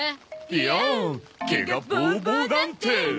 いやん毛がボーボーなんてえ。